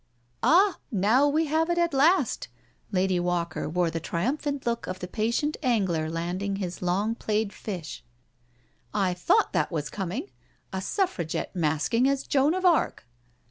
Ah, now we have it at last I" Lady Walker wore the triumphant look of the patient angler landing his long played fish. " I thought that was coming. A Suffragette masking as Joan of Arc!"